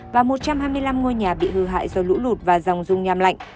và một trăm hai mươi năm ngôi nhà bị hư hại do lũ lụt và dòng dung nham lạnh